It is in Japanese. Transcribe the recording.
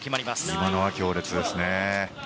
今のは強烈です。